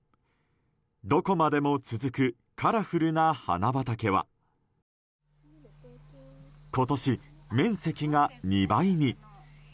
どこまでも続くカラフルな花畑は今年、面積が２倍に。